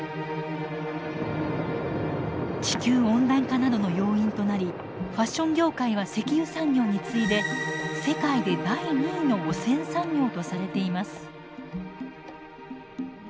地球温暖化などの要因となりファッション業界は石油産業に次いで世界で第２位の汚染産業とされています。